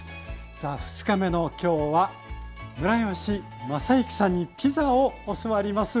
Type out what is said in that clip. さあ２日目の今日はムラヨシマサユキさんにピザを教わります。